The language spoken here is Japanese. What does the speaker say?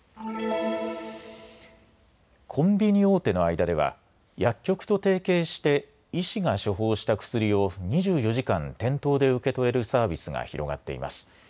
コンビニ大手の間では薬局と提携して医師が処方した薬を２４時間、店頭で受け取れるサービスが広がっています。